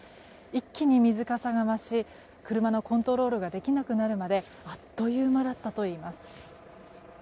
一気に水かさが増し、車のコントロールができなくなるまであっという間だったといいます。